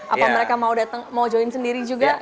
apa mereka mau datang mau join sendiri juga